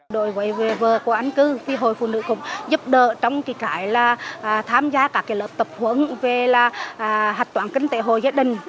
đội quay về vợ của anh cứ phi hội phụ nữ cũng giúp đỡ trong kỳ cải là tham gia các lợi tập huấn về là hạt toàn kinh tế hội gia đình